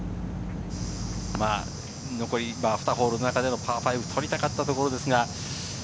残り２ホールの中でパー５を取りたかったところですが。